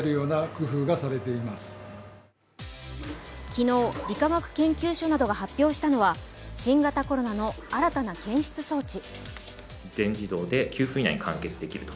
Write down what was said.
昨日、理化学研究所などが発表したのは新型コロナの新たな検出装置。